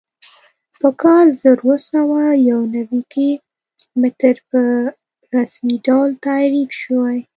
په کال زر اووه سوه یو نوي کې متر په رسمي ډول تعریف شوی.